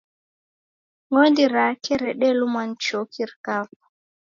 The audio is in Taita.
Ng'ondi rake redelumwa ni choki rikafwa